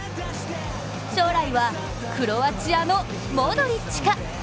将来はクロアチアのモドリッチか？